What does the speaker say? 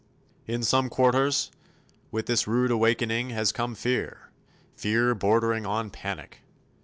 In some quarters, with this rude awakening has come fear, fear bordering on panic.